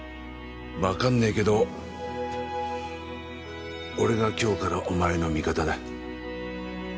わかんねぇけど俺が今日からお前の味方だ。